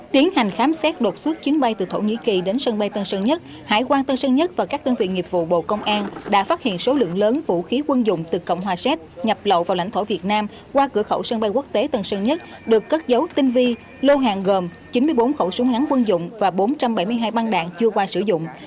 tiến hành khám xét đột xuất chuyến bay từ thổ nhĩ kỳ đến sân bay tân sơn nhất hải quan tân sơn nhất và các đơn vị nghiệp vụ bộ công an đã phát hiện số lượng lớn vũ khí quân dụng từ cộng hòa séc nhập lậu vào lãnh thổ việt nam qua cửa khẩu sân bay quốc tế tân sơn nhất được cất dấu tinh vi lô hàng gồm chín mươi bốn khẩu súng ngắn quân dụng và bốn trăm bảy mươi hai băng đạn chưa qua sử dụng